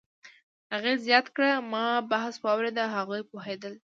هغې زیاته کړه: "ما بحث واورېد، هغوی پوهېدل